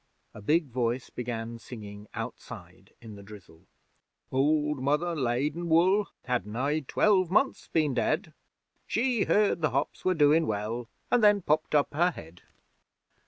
A big voice began singing outside in the drizzle: 'Old Mother Laidinwool had nigh twelve months been dead, She heard the hops were doin' well, and then popped up her head.'